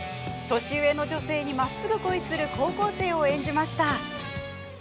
年上の女性にまっすぐ恋する高校生を演じました。